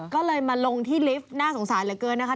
ก็เลยมาลงที่ลิฟต์น่าสงสารเหลือเกินนะคะ